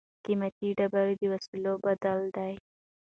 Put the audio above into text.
قیمتي ډبرې د وسلو بدل دي.